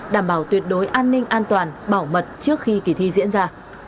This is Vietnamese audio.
đảm bảo tuyệt đối an ninh an toàn bảo mật trước khi kỳ thi diễn ra